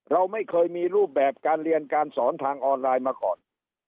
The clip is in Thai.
เราไม่เคยมีรูปแบบการเรียนการสอนทางออนไลน์มาก่อน